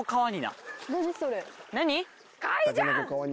何？